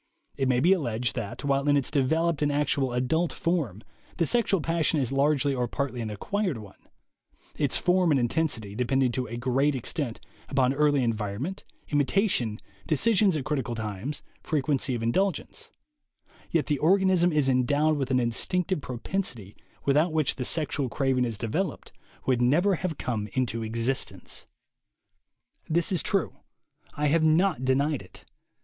It may be alleged that, while in its developed and actual adult form, the sexual passion is largely or partly an acquired one (its form and intensity depending to a great extent upon early environment, imitation, decisions at critical times, frequency of indulgence), yet the organism is endowed with an instinctive propensity without which the sexual craving as developed would never have come into existence. This is true. I have not denied it.